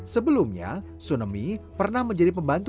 sebelumnya sunemi pernah menjadi pembantu